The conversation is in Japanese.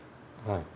はい。